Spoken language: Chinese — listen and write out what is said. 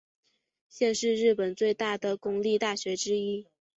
现是日本最大的公立大学之一。